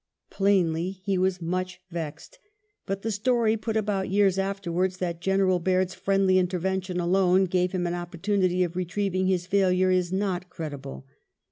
Plainly he was much vexed; but the story put about years after wards that General Baird's friendly intervention alone gave him an opportunity of retrieving his failure is not credible.